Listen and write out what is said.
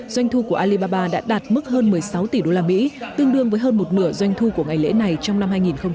doanh thu của alibaba đã đạt mức hơn một mươi sáu tỷ usd tương đương với hơn một nửa doanh thu của ngày lễ này trong năm hai nghìn hai mươi